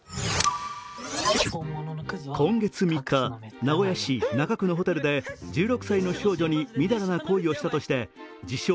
今月３日、名古屋市中区のホテルで１６歳の少女にみだらな行為をしたとして自称